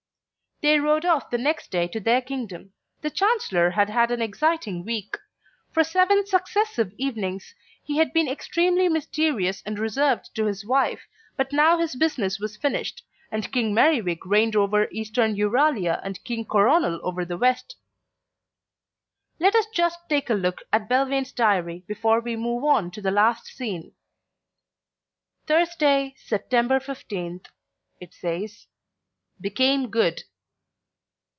They rode off the next day to their kingdom. The Chancellor had had an exciting week; for seven successive evenings he had been extremely mysterious and reserved to his wife, but now his business was finished and King Merriwig reigned over Eastern Euralia and King Coronel over the West. Let us just take a look at Belvane's diary before we move on to the last scene. "Thursday, September 15th," it says. "_Became good.